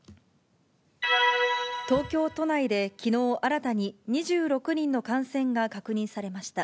東京都内できのう新たに２６人の感染が確認されました。